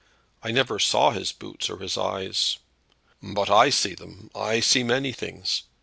"I never saw his boots or his eyes." "But I see them. I see many things.